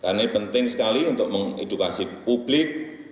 karena ini penting sekali untuk mengedukasi publik